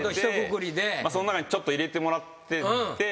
その中にちょっと入れてもらってて。